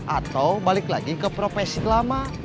atau balik lagi ke profesi lama